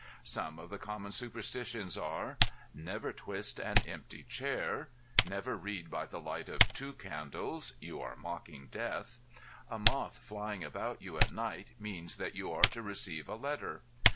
Some of the common superstitions are: never twist an empty chair. Never read by the light of two candles; you are mocking death. A moth flying about you at night means that you are to receive a letter.